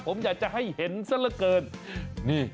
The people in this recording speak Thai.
ผมอยากจะให้เห็นซะละเกิน